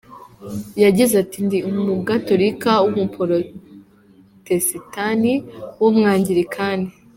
Yagize ati “Ndi umugatorika w’ umuporotestani w’ umwangirikani.